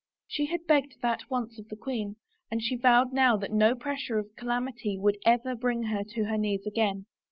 She had begged that once of the queen and she vowed now that no pressure of calamity would ever bring her to her knees again.